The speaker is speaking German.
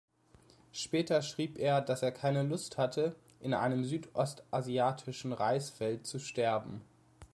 Später schrieb er, dass er keine Lust hatte, in einem südostasiatischen Reisfeld zu sterben.